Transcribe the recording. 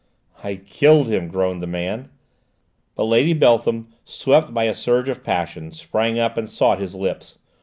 "I killed him!" groaned the man. But Lady Beltham, swept by a surge of passion, sprang up and sought his lips.